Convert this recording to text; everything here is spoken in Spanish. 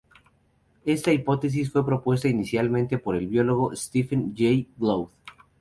Esta hipótesis fue propuesta inicialmente por el biólogo Stephen Jay Gould.